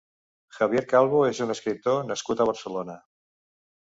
Javier Calvo és un escriptor nascut a Barcelona.